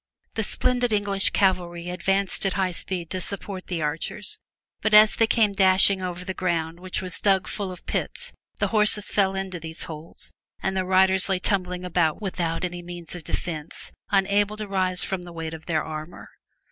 The splendid English cavalry advanced at high speed to support the archers, but as they came dashing over the ground which was dug full of pits the horses fell into these holes, and the riders lay tumbling about without any means of defence, unable to rise from the weight of their armor.